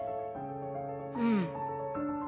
うん。